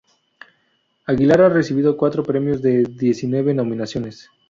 Aguilar ha recibido cuatro premios de diecinueve nominaciones.